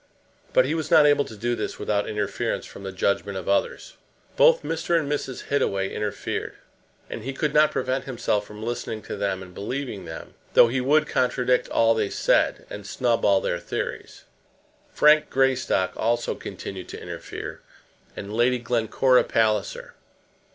But he was not able to do this without interference from the judgment of others. Both Mr. and Mrs. Hittaway interfered; and he could not prevent himself from listening to them and believing them, though he would contradict all they said, and snub all their theories. Frank Greystock also continued to interfere, and Lady Glencora Palliser.